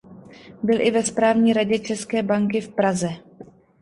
Byl i ve správní radě České banky v Praze.